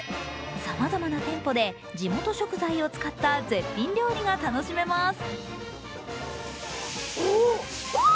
さまざまな店舗で地元食材を使った絶品料理が楽しめます。